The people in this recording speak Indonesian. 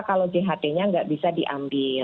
kalau jht nya nggak bisa diambil